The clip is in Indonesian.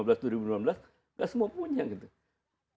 waktu itu ya tahun dua ribu lima belas dua ribu enam belas tidak semua punya gitu